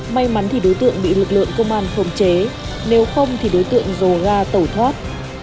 may mắn thì đối tượng bị lực lượng công an khống chế nếu không thì đối tượng dồ ga tẩu thoát